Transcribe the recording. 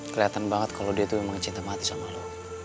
keliatan banget kalo dia tuh emang cinta mati sama lo